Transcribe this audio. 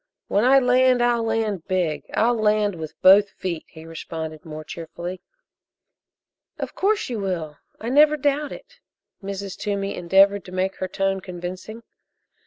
"When I land, I'll land big I'll land with both feet," he responded more cheerfully. "Of course, you will I never doubt it." Mrs. Toomey endeavored to make her tone convincing.